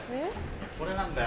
これなんだよ。